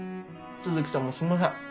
都築さんもすいません。